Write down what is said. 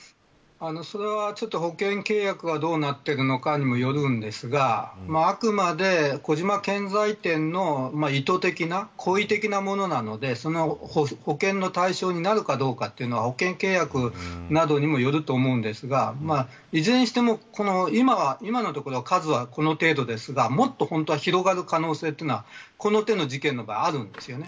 それは保険契約がどうなっているのかにもよるんですがあくまで小島建材店の意図的な、故意的なものなので保険の対象になるかどうかは保険契約などにもよると思うんですがいずれにしても今のところの数はこの程度ですがもっと本当は広がる可能性がこの手の事件の場合あるんです。